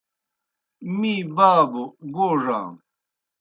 می بابوْ گوڙانو۔